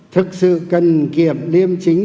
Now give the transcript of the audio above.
thực sự cần kiệm liêm chính